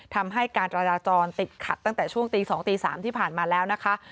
ทำให้การจราจรติดขัดตั้งแต่ช่วงตี๒ตี๓ที่ผ่านมาแล้วนะคะ